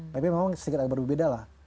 tapi memang sedikit agak berbeda lah